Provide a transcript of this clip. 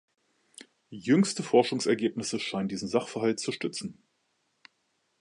Jüngste Forschungsergebnisse scheinen diesen Sachverhalt zu stützen.